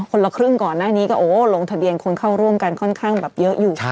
คนละครึ่งก่อนหน้านี้ก็โอ้ลงทะเบียนคนเข้าร่วมกันค่อนข้างแบบเยอะอยู่